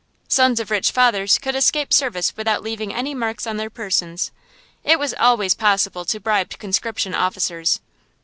Sons of rich fathers could escape service without leaving any marks on their persons. It was always possible to bribe conscription officers.